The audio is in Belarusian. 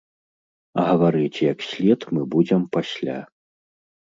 А гаварыць як след мы будзем пасля.